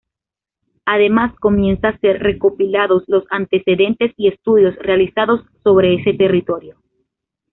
Además, comienzan a ser recopilados los antecedentes y estudios realizados sobre ese territorio.